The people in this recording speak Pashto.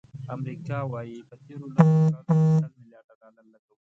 امریکا وایي، په تېرو لسو کالو کې سل ملیارد ډالر لګولي.